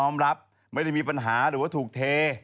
ไม่ได้มีปัญหาหรือถูกเท